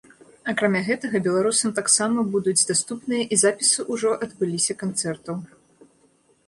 Акрамя гэтага беларусам таксама будуць даступныя і запісы ўжо адбыліся канцэртаў.